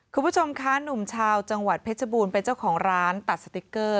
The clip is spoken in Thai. คุณผู้ชมคะหนุ่มชาวจังหวัดเพชรบูรณ์เป็นเจ้าของร้านตัดสติ๊กเกอร์